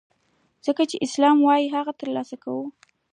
څه چي اسلام وايي هغه ترسره کوه!